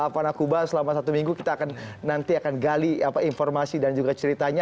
panakuba selama satu minggu kita akan nanti akan gali informasi dan juga ceritanya